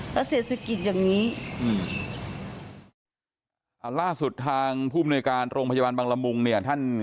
แล้วเศรษฐกิจอย่างนี้